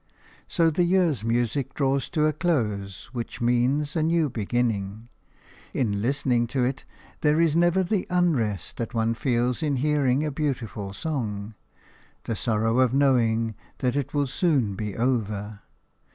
So the year's music draws to the close which means a new beginning. In listening to it there is never the unrest that one feels in hearing a beautiful song – the sorrow of knowing that it will soon be over.